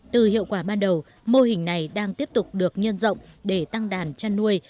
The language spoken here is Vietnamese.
từ hiệu quả ban đầu mô hình này đang tiếp tục được nhân rộng để tăng đàn chăn nuôi